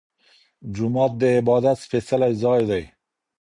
جومات د عبادت سپيڅلی ځای دی.